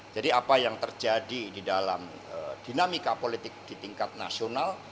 jadi apa yang terjadi di dalam dinamika politik di tingkat nasional